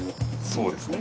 そうですね。